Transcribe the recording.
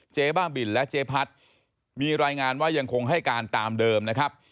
บ้าบินและเจ๊พัดมีรายงานว่ายังคงให้การตามเดิมนะครับ